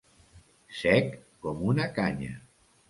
Sec com una canya.